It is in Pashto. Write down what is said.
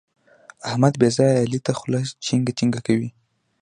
احمد بې ځايه علي ته خوله چينګه چینګه کوي.